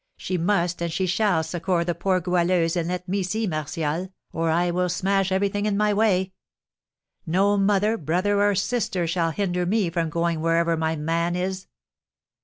She must and she shall succour the poor Goualeuse and let me see Martial, or I will smash everything in my way. No mother, brother, or sister shall hinder me from going wherever my man is!"